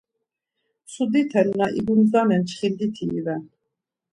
Mtsudite na igundzanen çxinditi iven.